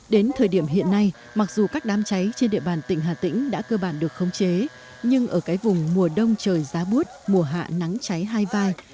đến thời điểm hiện nay mặc dù các đám cháy trên địa bàn tỉnh hà tĩnh đã cơ bản được khống chế nhưng ở cái vùng mùa đông trời giá bút mùa hạ nắng cháy hai vai